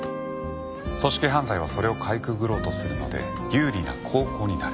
組織犯罪はそれをかいくぐろうとするので有利な後攻になる。